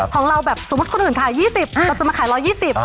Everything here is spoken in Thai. ของเราแบบสมมุติคนอื่นขาย๒๐เราจะมาขาย๑๒๐บาท